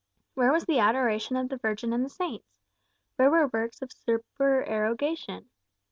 Where was the adoration of the Virgin and the saints? Where were works of supererogation?